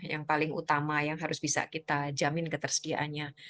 yang paling utama yang harus bisa kita jamin ketersediaannya